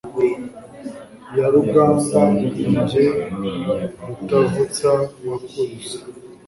ya rugamba ni jye Rutavutsamakuza